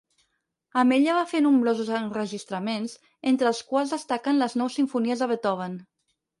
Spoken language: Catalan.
Amb ella va fer nombrosos enregistraments, entre els quals destaquen les nou simfonies de Beethoven.